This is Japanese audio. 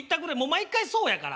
毎回そうやから。